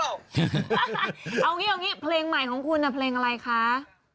เอาแบบนี้โอเคเพลงใหม่ของคุณฮะพลงอะไรคะ